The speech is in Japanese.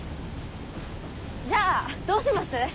じゃあどうします？